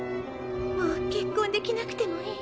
もう結婚できなくてもいい。